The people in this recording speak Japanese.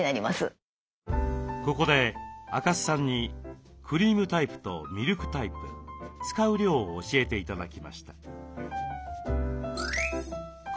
ここで赤須さんにクリームタイプとミルクタイプ使う量を教えて頂きました。